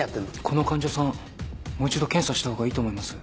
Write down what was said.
この患者さんもう一度検査した方がいいと思います。